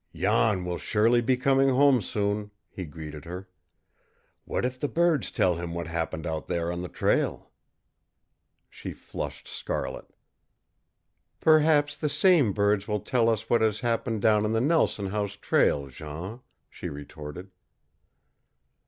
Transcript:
"Jan will surely be coming home soon," he greeted her. "What if the birds tell him what happened out there on the trail?" She flushed scarlet. "Perhaps the same birds will tell us what has happened down on the Nelson House trail, Jean," she retorted.